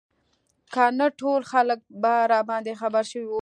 که نه ټول خلک به راباندې خبر شوي وو.